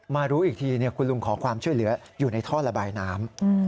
รู้อีกทีคุณลุงขอความช่วยเหลืออยู่ในท่อระบายน้ำ